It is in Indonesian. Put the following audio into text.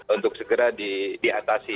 untuk segera diatasi